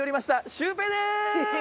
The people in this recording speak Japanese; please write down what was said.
シュウペイです。